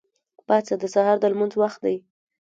پاڅه! د سهار د لمونځ وخت دی.